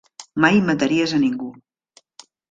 Mai mataries a ningú.